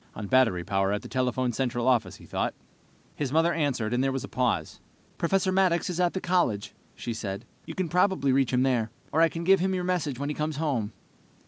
On battery power at the telephone central office, he thought. His mother answered, and there was a pause. "Professor Maddox is at the college," she said. "You can probably reach him there, or I can give him your message when he comes home."